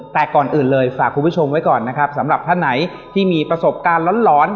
แต่ก่อนอื่นเลยฝากคุณผู้ชมไว้ก่อนนะครับสำหรับท่านไหนที่มีประสบการณ์หลอน